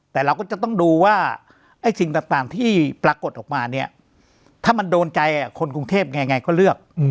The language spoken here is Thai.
แต่เราก็จะต้องดูว่าไอ้สิ่งต่างที่ปรากฏออกมาเนี่ยถ้ามันโดนใจคนกรุงเทพไงก็เลือก